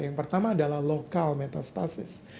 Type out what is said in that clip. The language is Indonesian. yang pertama adalah lokal metastasis